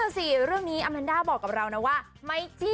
สิเรื่องนี้อัมแหมนดาบอกกับเราแล้วว่า